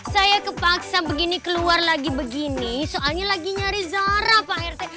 saya kepaksa begini keluar lagi begini soalnya lagi nyari zara pak rt